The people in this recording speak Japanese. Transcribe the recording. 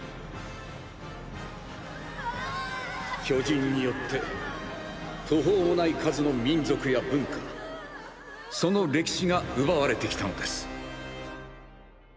巨人によって途方もない数の民族や文化その歴史が奪われてきたのです。